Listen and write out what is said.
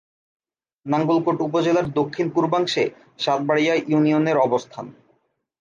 নাঙ্গলকোট উপজেলার দক্ষিণ-পূর্বাংশে সাতবাড়িয়া ইউনিয়নের অবস্থান।